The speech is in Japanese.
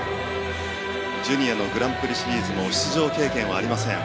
ジュニアのグランプリシリーズも出場経験はありません。